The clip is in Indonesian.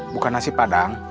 bukan nasi padang